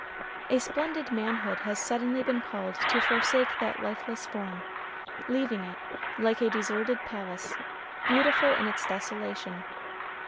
A splendid manhood has suddenly been called to forsake that lifeless form, leaving it, like a deserted palace, beautiful in its desolation.